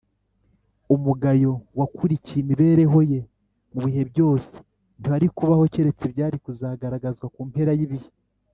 umugayo wakurikiye imibereho ye mu bihe byose ntiwari kubaho keretse ibyari kuzagaragazwa ku mpera y’ibihe